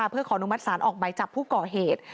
เพื่อขออนุมัติศาลออกไหมจับผู้ก่อเหตุ